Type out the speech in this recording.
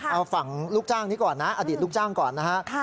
เอาฝั่งลูกจ้างนี้ก่อนนะอดีตลูกจ้างก่อนนะฮะ